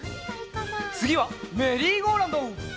つぎはメリーゴーラウンド！